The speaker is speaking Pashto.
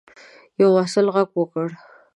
یوه محصل غږ وکړ.